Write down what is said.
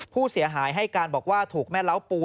ผู้เสียหายให้การบอกว่าถูกแม่เล้าปู